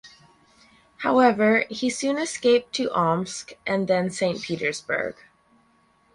However he soon escaped to Omsk and then to Saint Petersburg.